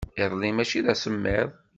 Iḍelli maci d asemmiḍ.